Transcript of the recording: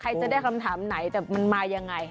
ใครจะได้คำถามไหนแต่มันมายังไง